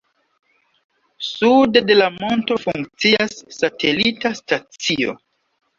Sude de la monto funkcias satelita stacio.